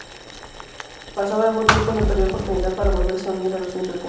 Pasado algún tiempo, no perdió oportunidad para volverse a unir a los insurgentes.